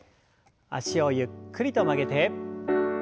脚をゆっくりと曲げて。